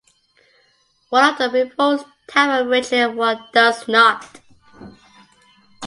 One of them involves time-averaging, and one does not.